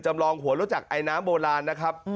ลองหัวรู้จักไอน้ำโบราณนะครับ